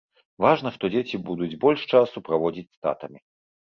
Важна, што дзеці будуць больш часу праводзіць з татамі.